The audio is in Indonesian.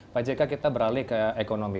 pak jk kita beralih ke ekonomi